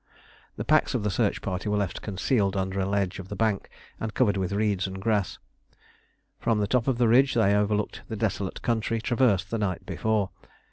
The packs of the search party were left concealed under a ledge of the bank and covered with reeds and grass. From the top of the ridge they overlooked the desolate country traversed the night before.